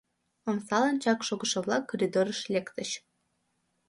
Омсалан чак шогышо-влак коридорыш лектыч.